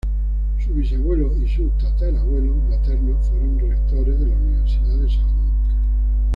Su bisabuelo y su tatarabuelo maternos fueron rectores de la Universidad de Salamanca.